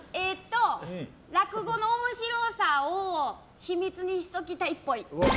落語の面白さを秘密にしときたいっぽい。